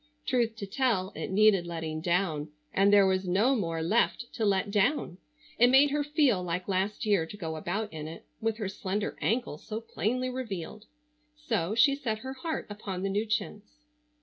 Truth to tell, it needed letting down, and there was no more left to let down. It made her feel like last year to go about in it with her slender ankles so plainly revealed. So she set her heart upon the new chintz.